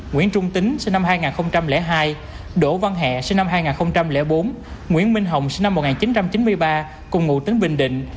nguyễn trung tính sinh năm hai nghìn hai đỗ văn hẹ sinh năm hai nghìn bốn nguyễn minh hồng sinh năm một nghìn chín trăm chín mươi ba cùng ngụ tính bình định